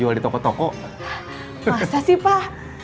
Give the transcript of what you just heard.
masa sih pak